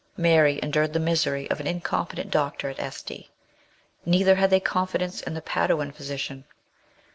Mary endured the misery of an incompetent doctor at Este; neither had they confidence in the Paduau physician.